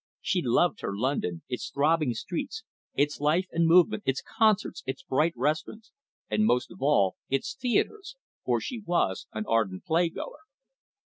She loved her London, its throbbing streets, its life and movement, its concerts, its bright restaurants, and, most of all, its theatres for she was an ardent playgoer.